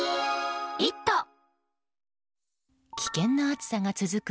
危険な暑さが続く